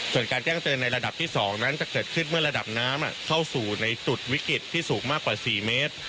ส่วนการแจ้งเตือนในระดับที่๒นั้นจะเกิดขึ้นเมื่อระดับน้ำเข้าสู่ในจุดวิกฤตที่สูงมากกว่า๔เมตร